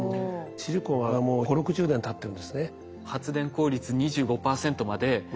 シリコンはもう５０６０年たってるんですね。